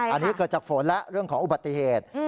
อันนี้เกิดจากฝนและเรื่องของอุบัติเหตุ